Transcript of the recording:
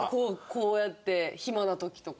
こうやって暇な時とか。